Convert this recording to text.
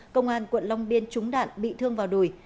công an quận long biên trúng đạn bị thương vào đùi